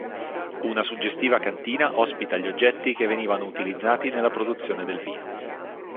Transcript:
Una suggestiva cantina ospita gli oggetti che venivano utilizzati nella produzione del vino.